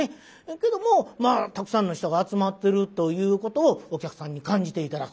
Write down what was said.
けどもまあたくさんの人が集まってるということをお客さんに感じて頂く。